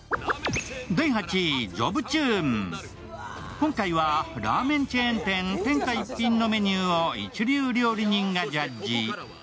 今回は、ラーメンチェーン店、天下一品のメニューを一流料理人がジャッジ。